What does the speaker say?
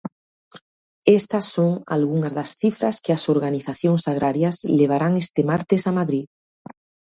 Estas son algunhas das cifras que as organizacións agrarias levarán este martes a Madrid.